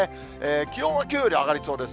気温はきょうより上がりそうです。